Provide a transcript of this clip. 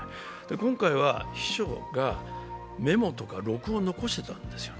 今回は秘書がメモや録音を残していたんですね。